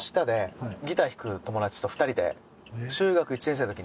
２人で。